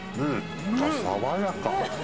爽やか。